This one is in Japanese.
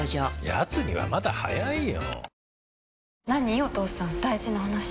やつにはまだ早いよ。